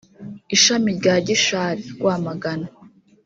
ishami rya Gishari(Rwamagana)